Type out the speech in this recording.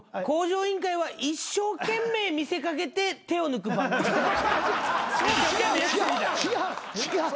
『向上委員会』は一生懸命見せかけて手を抜く番組。